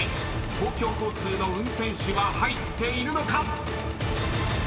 ［公共交通の運転手は入っているのか⁉］